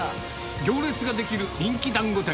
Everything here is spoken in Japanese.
行列が出来る人気だんご店。